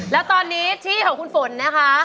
แล้วตอนนี้ที่ของคุณฝนนะคะ